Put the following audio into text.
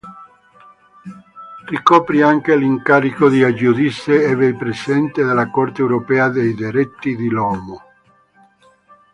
Ricoprì anche l'incarico di giudice e vicepresidente della Corte europea dei diritti dell'uomo.